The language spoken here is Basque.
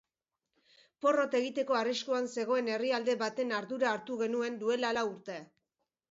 Porrot egiteko arriskuan zegoen herrialde baten ardura hartu genuen duela lau urte.